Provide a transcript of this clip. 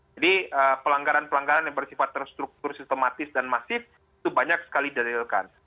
jadi pelanggaran pelanggaran yang bersifat terstruktur sistematis dan masif itu banyak sekali didalilkan